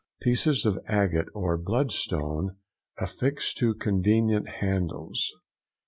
—Pieces of agate or bloodstone affixed to convenient handles.